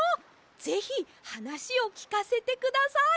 ぜひはなしをきかせてください！